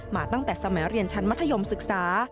ตั้งแต่สมัยเรียนชั้นมัธยมศึกษา